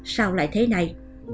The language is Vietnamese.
sao lại thế này